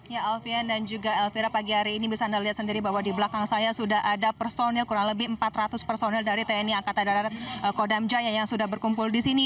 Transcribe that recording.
ya alfian dan juga elvira pagi hari ini bisa anda lihat sendiri bahwa di belakang saya sudah ada personil kurang lebih empat ratus personil dari tni angkatan darat kodam jaya yang sudah berkumpul di sini